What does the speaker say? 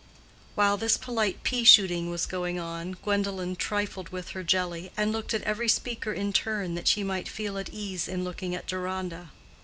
While this polite pea shooting was going on, Gwendolen trifled with her jelly, and looked at every speaker in turn that she might feel at ease in looking at Deronda.